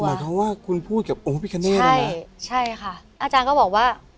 หมายความว่าคุณพูดกับองค์พิกเนธใช่ใช่ค่ะอาจารย์ก็บอกว่า